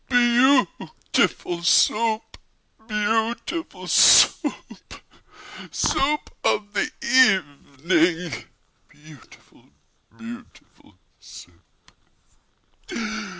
Beau ootiful Soo oop! Beau ootiful Soo oop! Soo oop of the e e evening, Beautiful, beautiful Soup!